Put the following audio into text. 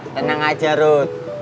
tenang aja ruth